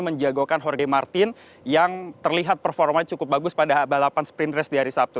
menjagokan jorge martin yang terlihat performanya cukup bagus pada balapan sprint race di hari sabtu